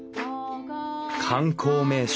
観光名所